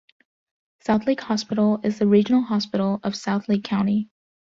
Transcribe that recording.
South Lake Hospital is the regional hospital of south Lake County.